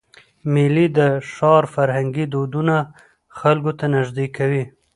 میلې د ښار فرهنګي دودونه خلکو ته نږدې کوي.